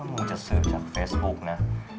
ถ้ามึงจะสืบจับเฟซบุ๊คนะ